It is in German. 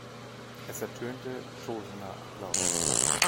Es ertönte tosender Applaus.